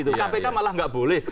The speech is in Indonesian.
kpk malah nggak boleh